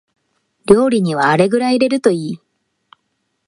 料理にはあれくらい入れるといい